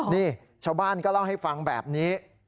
นี่ชาวบ้านก็เล่าให้ฟังแบบนี้